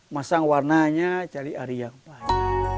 masang warnanya cari arya yang baik